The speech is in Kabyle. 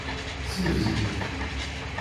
Siwzel-it.